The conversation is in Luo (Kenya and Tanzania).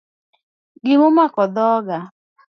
Gima omako dhoga